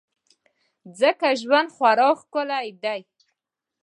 ځکه ژوند خورا ښکلی دی.